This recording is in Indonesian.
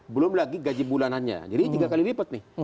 belum lagi gaji bulanannya jadi tiga kali lipat nih